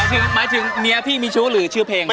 หมายถึงเมียพี่มีชู้หรือชื่อเพลงครับ